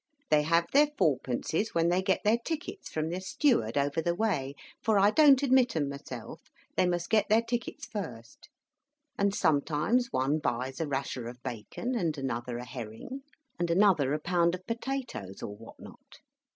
They have their fourpences when they get their tickets from the steward over the way, for I don't admit 'em myself, they must get their tickets first, and sometimes one buys a rasher of bacon, and another a herring, and another a pound of potatoes, or what not.